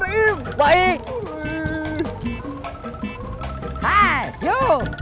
saya baik baik saja